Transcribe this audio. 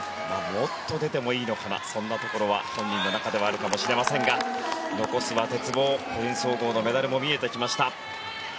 もっと出てもいいのかなとそんなところは本人の中ではあるかもしれませんが残すは鉄棒個人総合のメダルも見えてきました。